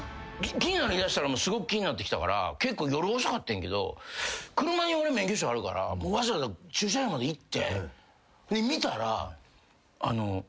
気になりだしたらすごく気になってきたから結構夜遅かってんけど車に俺免許証あるからわざわざ駐車場まで行って見たら。